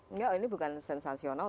enggak ini bukan sensasional